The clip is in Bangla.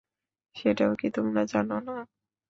সেটাও কি তোমরা জানো না?